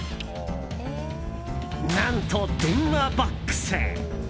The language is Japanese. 何と、電話ボックス！